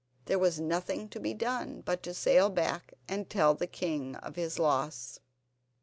There was nothing to be done but to sail back and tell the king of his loss.